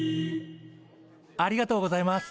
ありがとうございます。